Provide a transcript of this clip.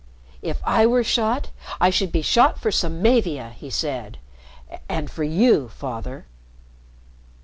"If I were shot, I should be shot for Samavia," he said. "And for you, Father."